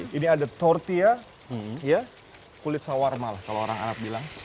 jadi ini ada tortilla kulit sawar malas kalau orang anak bilang